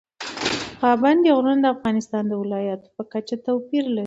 پابندي غرونه د افغانستان د ولایاتو په کچه توپیر لري.